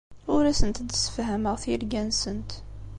Ur asent-d-ssefhameɣ tirga-nsent.